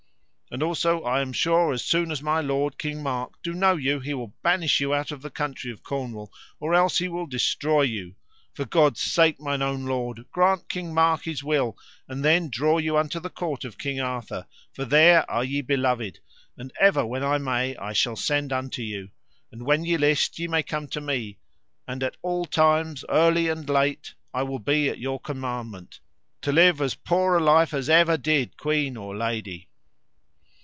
And also I am sure as soon as my lord, King Mark, do know you he will banish you out of the country of Cornwall, or else he will destroy you; for God's sake, mine own lord, grant King Mark his will, and then draw you unto the court of King Arthur, for there are ye beloved, and ever when I may I shall send unto you; and when ye list ye may come to me, and at all times early and late I will be at your commandment, to live as poor a life as ever did queen or lady.